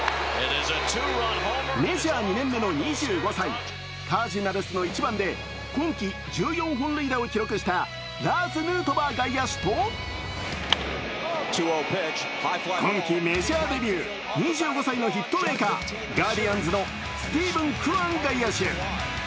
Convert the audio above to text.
メジャー２年目の２５歳、カージナルスの１番で今季１４本塁打を記録したラーズ・ヌートバー選手と今季メジャーデビュー、２５歳のヒットメーカー、ガーディアンズのスティーブン・クワン外野手。